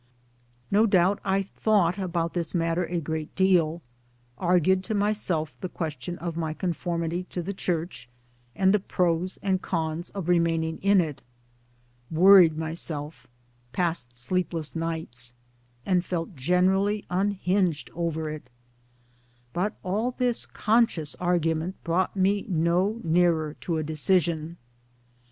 No doubt I thought about this matter a great deal, argued to myself the question of my con formity to the Church, and the pros and cons of remaining in it worried myself, passed sleepless nights and felt generally unhinged over it ; but all this conscious argument brought me no nearer to a decision.